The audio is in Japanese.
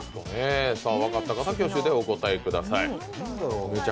分かった方、挙手でお答えください。